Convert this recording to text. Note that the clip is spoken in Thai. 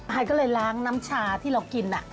ก็เลยล้างน้ำชาที่เรากิน